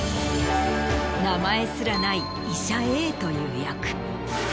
名前すらない医者Ａという役。